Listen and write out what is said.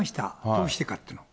どうしてかというのを。